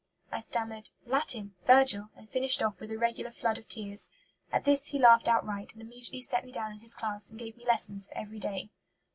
I stammered 'Latin Virgil,' and finished off with a regular flood of tears. At this he laughed outright, and immediately set me down in his class and gave me lessons for every day."